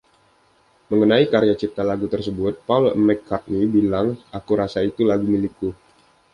Mengenai karya cipta lagu tersebut, Paul McCartney bilang, Aku rasa itu lagu milikku.